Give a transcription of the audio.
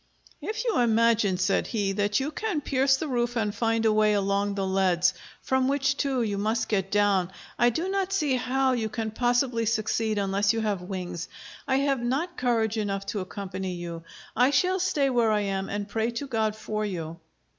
"If you imagine," said he, "that you can pierce the roof and find a way along the leads, from which, too, you must get down, I do not see how you can possibly succeed unless you have wings. I have not courage enough to accompany you. I shall stay where I am and pray to God for you."